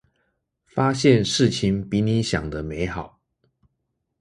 發現事情比你想的美好